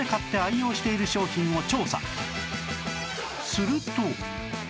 すると